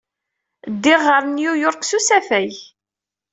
Ddiɣ ɣer New York s usafag.